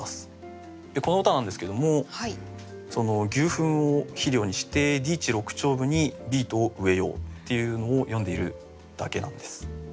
この歌なんですけども牛糞を肥料にしてＤ地六町歩にビートを植えようっていうのを詠んでいるだけなんです。